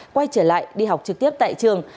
quay trở lại đi học trực tiếp tại trường